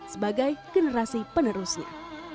sebagai generasi penerusnya